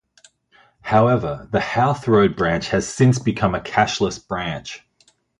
However, the Howth Road branch has since become a cashless branch.